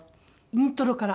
イントロから。